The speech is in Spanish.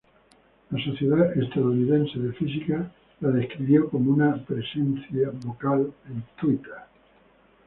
La Sociedad Estadounidense de Física la describió como una "presencia vocal en Twitter".